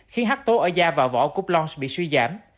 khiến hắc tố ở da và vỏ của blanche bị suy giảm